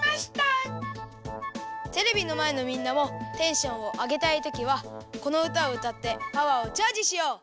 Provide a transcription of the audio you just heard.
テレビのまえのみんなもテンションをあげたいときはこのうたをうたってパワーをチャージしよう。